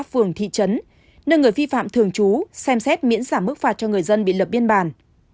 phường thị trấn nơi người vi phạm thường trú xem xét miễn giảm mức phạt cho người dân bị lập biên bản